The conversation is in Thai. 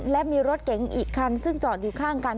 และมีรถเก๋งอีกคันซึ่งจอดอยู่ข้างกัน